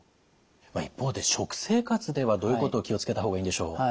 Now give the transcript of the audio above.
一方で食生活ではどういうことを気を付けた方がいいんでしょうか？